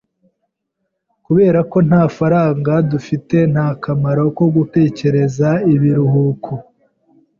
Kubera ko nta faranga dufite, nta kamaro ko gutekereza ibiruhuko.